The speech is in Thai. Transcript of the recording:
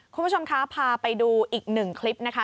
คุณผู้ชมคะพาไปดูอีกหนึ่งคลิปนะคะ